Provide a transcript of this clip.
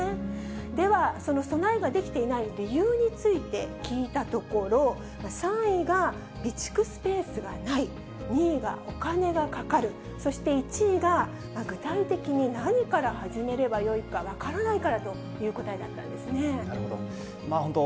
では、その備えができていない理由について聞いたところ、３位が備蓄スペースがない、２位がお金がかかる、そして１位が具体的に何から始めればよいか分からないからというなるほど。